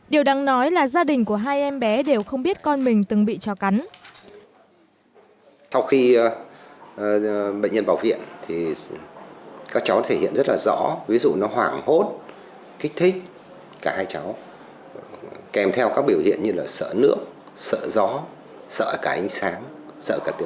điều đáng nói là bệnh viện đã tiếp nhận hai bệnh nhi bị mắc bệnh dại